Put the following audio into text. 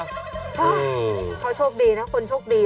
ฮะเขาช่วงดีนะคนช่วงดี